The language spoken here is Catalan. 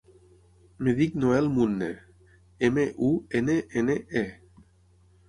Em dic Noel Munne: ema, u, ena, ena, e.